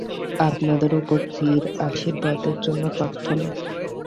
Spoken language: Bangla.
আপনাদের উপর চির আশীর্বাদের জন্য প্রার্থনা।